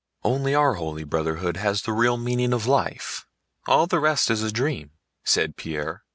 "Only our holy brotherhood has the real meaning of life, all the rest is a dream," said Pierre.